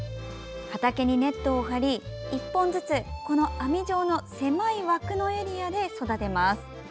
畑にネットを張り、１本ずつこの網状の狭い枠のエリアで育てます。